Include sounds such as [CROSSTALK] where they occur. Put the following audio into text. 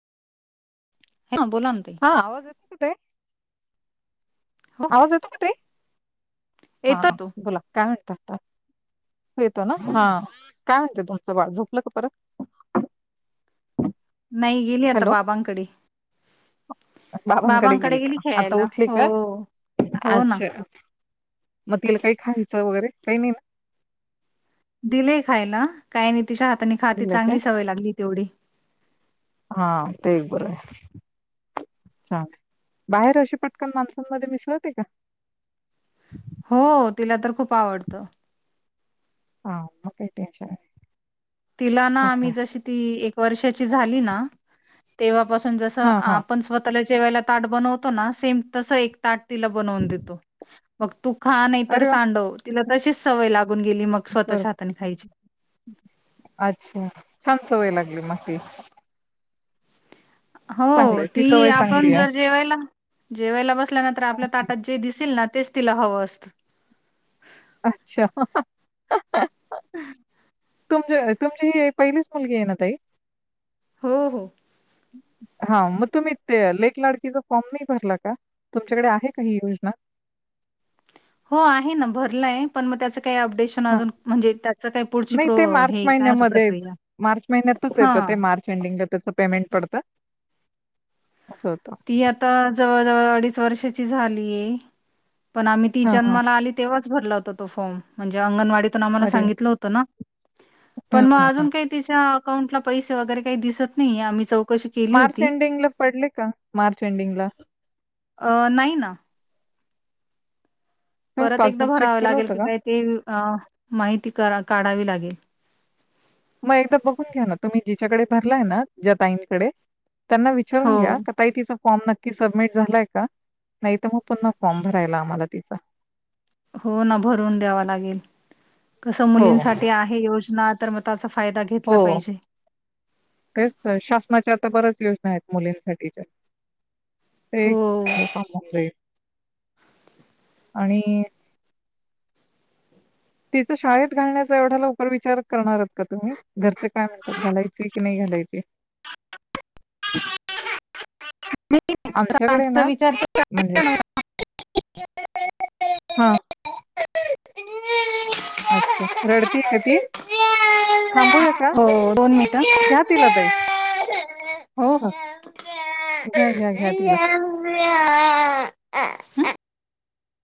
हा बोला ना ताई हा आवाज येतो का ताई. हो आवाज येतो का ताई. हा येतो ह तो बोला काय म्हण येतो ना हा काय म्हणते तुमच बाळ झोपलं का परत. नाही गेली आता हॅलो बाबांकडे. बाबांकडे गेली का आता उठली का हो ना अच्छा मग तिला काही खायचं वगैरे काही नाही ना दिले खायला काय नाही तिच्या हाताने खातात दिलं काय? चांगली सवय लागली तेवढी. हा ते बरं आहे बाहेर अे पटकन माणसांमध्ये मिसळते का हो तिला तर खूप आवडतं. हा मग काही टेंशन नाही. तिला ना चांगलं आम्ही आहे. जशी ती एक वर्षाची झाली ना तेव्हा पासून जस हा हा आपण स्वतःला जेवायला ताट बनवतो ना सेम तस एक ताट तिला बनवून देतो. वक्तू [INAUDIBLE] खा नाही तर अरे वा! सांडव तिला तशीच सवय लागून गेली मग बरं स्वतःच्या हाताने खायची. अच्छा छान सवय लागली मग ती चांगलं हो आहे ती सवय आपण चांगली आहे. जर जेवायला जेवायला बस नंतर आपल्या ताटात जे दिसेल ना तेच तिला हवं असत. अच्छा [UNINTELLIGIBLE] तुम तुमची ही पहिलीच मुलगी आहे ना ताई. हो हो. हा मग तुम्ही ते लेक लाडकीचा फॉर्म नाही भरला का? तुमच्याकडे आहे का ही योजना? हो. आहे ना. भरलंय पण मग त्याच ह पुढची नाही प्रो ते मार्च हे काय म्हणतात महिन्यामध्ये प्रक्रिया मार्च महिन्यातच येतं ते हां मार्च एंडिंगला त्याच पेमेंट पडत ती आता जवळ जवळ अडीच वर्ष झालीय. पण आम्ही ती हां, हां. जन्माला आली तेव्हाच भरला होता. तो फॉर्म म्हणजे अंगणवाडीत आम्हाला अरे सांगितलं होत ना हं, पण म हं, हं. अजून काही तिच्या अकाउंट ला पैसे वगैरे काही दिसत नाही आम्ही चौकशी केली मार्च होती. एंडिंगला पडले का? मार्च एंडींगला अ नाही ना तुम्ही परत एकदा पासबुक चेक भरावं केलं लागेल होतं की का? काय ते अ माहिती काढावी लागेल. मग एकदा बघून घ्या ना तुम्ही जिच्याकडे भरलाय ना ज्याताईंकडे त्यांना हो विचारून घ्या का ताई तिचा फॉर्म नक्की सबमिट झालाय का नाही तर मग पुन्हा फॉर्म भरायला आम्हाला तिचा हो. ना भरून द्यावा लागेल. कसं हो, मुलींसाठी आहे योजना. तर मग फायदा हो घेतला पाहिजे. तेच शासनाच्या आता बऱ्याच योजना आहेत. मुलींसाठीच्या - - हो. एक नाही [UNINTELLIGIBLE] का जाई [UNINTELLIGIBLE] आणि- - तिच शाळेत घालण्याचा एवढ्या लवकर विचार करणार आहात का तुम्ही? घरचे काय म्हणतात? घालायचे की नाही घालायच. [INAUDIBLE] मग आमच्याकडे ना विचार म्हणजे हां, [INAUDIBLE] अच्छा रडतीय का ती? थांबूया का हो दोन मिनिटं घ्या तिला ताई हो ह घ्या घ्या घ्या तिला. हो.